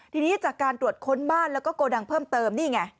ทีนี้จากการตรวจค้นบ้านแล้วก็โกดังเพิ่มเติมนี่ไง